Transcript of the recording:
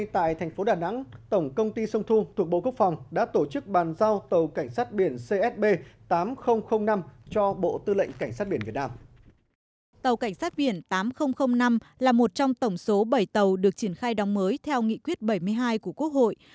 tàu cảnh sát biển tám nghìn tám là một trong tổng số bảy tàu được triển khai đóng mới theo nghị quyết bảy mươi hai của quốc hội